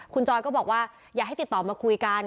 คุณจอยก็บอกว่าอยากให้ติดต่อมาคุยกัน